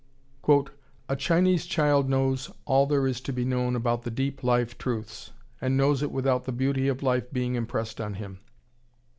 "A Chinese child knows all there is to be known about the deep life truths, and knows it without the beauty of life being impressed on him.